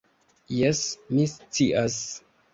Jes, mi scias.